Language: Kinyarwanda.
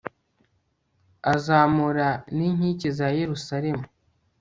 azamura n'inkike za yeruzalemu